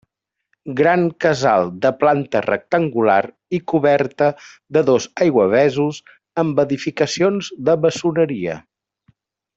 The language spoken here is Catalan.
Gran casal de planta rectangular i coberta de dos aiguavessos amb edificacions de maçoneria.